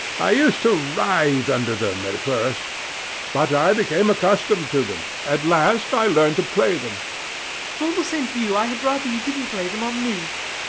I used to writhe under them at first; but I became accustomed to them. At last I learned to play them. RANDALL. If it's all the same to you I had rather you didn't play them on me.